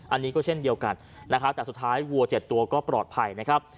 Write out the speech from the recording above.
อันนี้ก็เช่นเดียวกันนะครับแต่สุดท้ายวัวเจ็ดตัวก็ปลอดภัยนะครับ